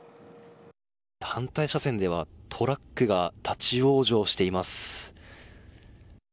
反対車線ではトラックが立ち往生しています。